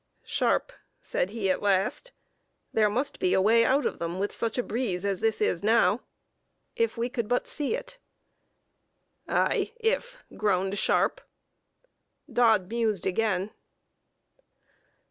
"Sharpe," said he, at last, "there must be a way out of them with such a breeze as this is now; if we could but see it." "Ay, if," groaned Sharpe. Dodd mused again.